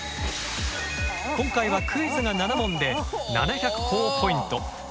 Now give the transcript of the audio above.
今回はクイズが７問で７００ほぉポイント。